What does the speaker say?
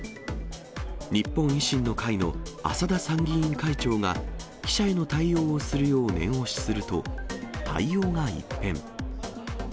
日本維新の会の浅田参議院会長が記者への対応をするよう念押しすると、対応が一変。